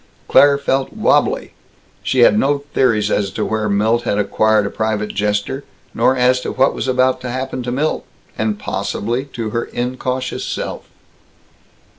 Claire felt wabbly. She had no theories as to where Milt had acquired a private jester, nor as to what was about to happen to Milt and possibly to her incautious self.